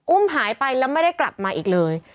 หายไปแล้วไม่ได้กลับมาอีกเลย